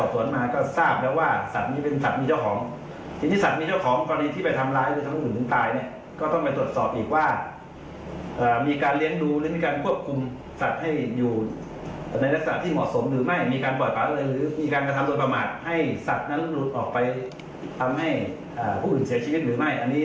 แต่สามารถแจ้งข้อหากับเจ้าของสุนัขได้มาอีกครั้งหนึ่งครับ